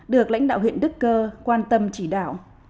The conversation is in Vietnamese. được lãnh đạo huyện đức cơ quan tâm chỉ đạo